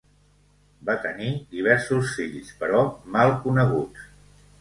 Va tenir diversos fills però mal coneguts.